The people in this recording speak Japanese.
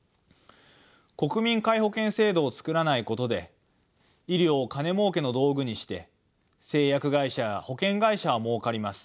国民皆保険制度を作らないことで医療を金もうけの道具にして製薬会社や保険会社はもうかります。